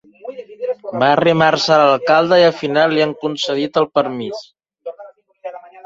Va arrimar-se a l'alcalde i al final li han concedit el permís.